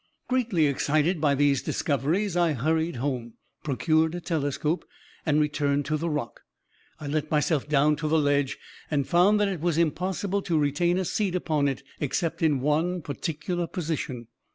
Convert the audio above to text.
Greatly excited by these discoveries, I hurried home, procured a telescope, and returned to the rock. "I let myself down to the ledge, and found that it was impossible to retain a seat upon it except in one particular position.